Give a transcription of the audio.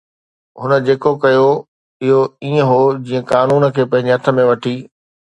هن جيڪو ڪيو اهو ائين هو جيئن قانون کي پنهنجي هٿ ۾ وٺي